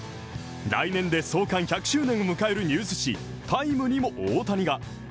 来年で創刊１００周年を迎えるニュース誌「タイム」にも大谷が。